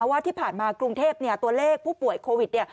เพราะว่าที่ผ่านมากรุงเทพฯตัวเลขผู้ป่วยโควิด